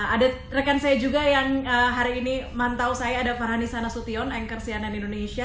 ada rekan saya juga yang hari ini mantau saya ada farhani sanasution anchor cnn indonesia